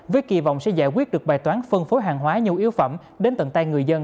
với kỳ vọng sẽ giải quyết được bài toán phân phối hàng hóa nhu yếu phẩm đến tận tay người dân